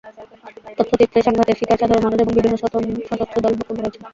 তথ্যচিত্রে সংঘাতের শিকার সাধারণ মানুষ এবং বিভিন্ন সশস্ত্র দলের বক্তব্য রয়েছে।